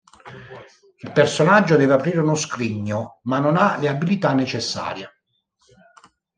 Il personaggio deve aprire uno scrigno, ma non ha le abilità necessarie.